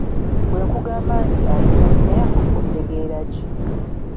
Bwe nkugamba nti ayita Ttembo otegeera ki?